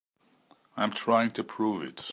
I'm trying to prove it.